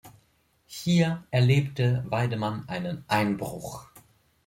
Hier erlebte Weidemann einen Einbruch.